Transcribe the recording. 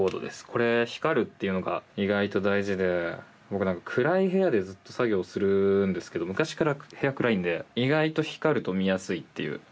これ光るっていうのが意外と大事で僕何か暗い部屋でずっと作業するんですけど昔から部屋暗いんで意外と光ると見やすいっていう。